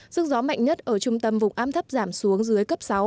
sức gió mạnh nhất ở trung tâm vùng áp thấp giảm xuống dưới cấp sáu